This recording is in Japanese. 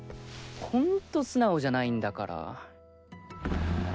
ほんと素直じゃないんだから。